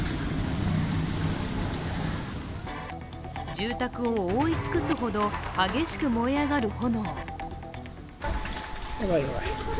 住宅を覆い尽くすほど激しく燃え上がる炎。